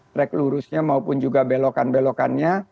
track lurusnya maupun juga belokan belokannya